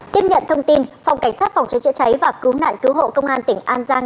tiếp nhận thông tin phòng cảnh sát phòng cháy chữa cháy và cứu nạn cứu hộ công an tỉnh an giang